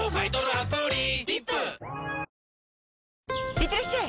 いってらっしゃい！